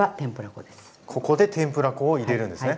ここで天ぷら粉を入れるんですね。